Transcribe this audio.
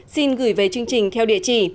xin gửi về chương trình theo địa chỉ